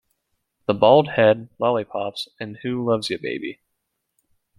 The bald head, lollipops, and Who loves ya, baby?